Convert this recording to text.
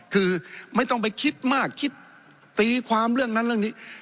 คือไม่ต้องไปคิดมากคิดตีความเรื่องนั้นเรื่องนี้